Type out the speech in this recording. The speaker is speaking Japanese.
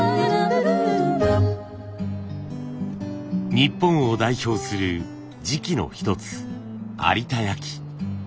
日本を代表する磁器の一つ有田焼。